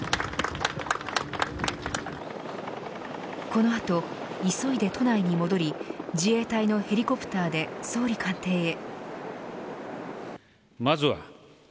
この後、急いで都内に戻り自衛隊のヘリコプターで総理官邸へ。